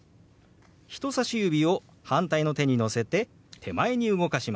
人さし指を反対の手に乗せて手前に動かします。